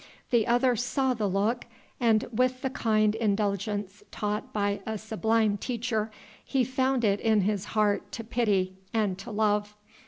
The other saw the look, and with the kind indulgence taught by a sublime teacher, he found it in his heart to pity and to love.